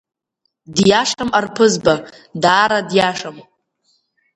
Диашам арԥызба, даара диашам!